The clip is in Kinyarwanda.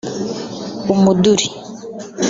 umuduli